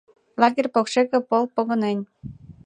Лагерь покшеке полк погынен.